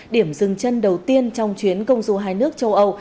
điểm dừng chân đầu tiên trong chuyến công du hai nước châu âu